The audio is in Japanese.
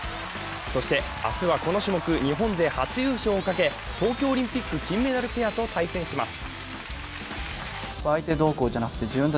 そして明日は、この種目日本勢初勝利をかけ、東京オリンピック金メダルペアと対戦します。